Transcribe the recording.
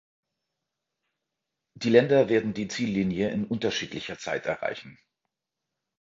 Die Länder werden die Ziellinie in unterschiedlicher Zeit erreichen.